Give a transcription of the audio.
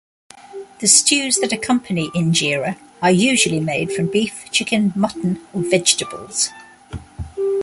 The stews that accompany injera are usually made from beef, chicken, mutton or vegetables.